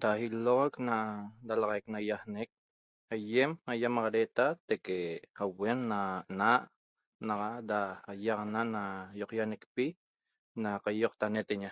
Da iloxoq na dalaxaiq nahixnec Aiem aiamagreta teque abuen na naa' naxa da aiaxana na ioquiaxaneqpi na caiocta neteña